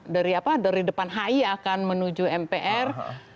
dari depan hi akan menuju mpr